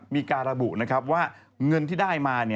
มีการระบุว่าเงินที่ได้มา